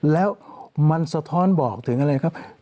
แล้วมันสะท้อนบอกถึงอะไรครับ